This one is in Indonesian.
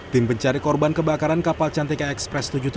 tim pencari korban kebakaran kapal cantika ekspres tujuh puluh tujuh